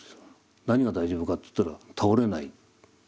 何が大丈夫かっていったら倒れない。